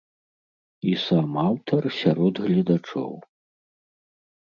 І сам аўтар сярод гледачоў.